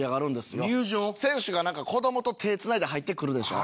選手がなんか子どもと手つないで入ってくるでしょ。